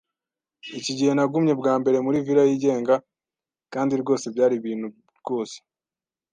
Iki gihe nagumye bwa mbere muri villa yigenga, kandi rwose byari ibintu rwose.